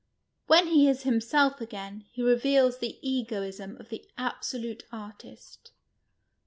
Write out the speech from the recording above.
When he is him self again, he reveals the egoism of the absolute artist.